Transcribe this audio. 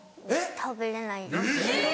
食べれないです。